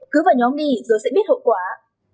cứ vào nhóm đi rồi sẽ biết hậu quả